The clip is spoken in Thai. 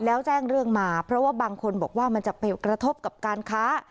แล้วแจ้งเรื่องมาเพราะว่าบางคนบอกว่ามันจะไปกระทบกับการค้า